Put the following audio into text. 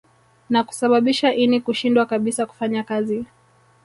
Na kusababisha ini kushindwa kabisa kufanya kazi